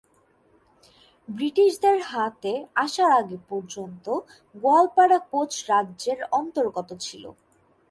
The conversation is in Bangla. ব্রিটিশদের হাতে আসার আগে পর্যন্ত গোয়ালপাড়া কোচ রাজ্যের অন্তর্গত ছিল।